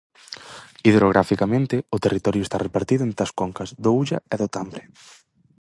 Hidrograficamente, o territorio está repartido entre as concas do Ulla e do Tambre.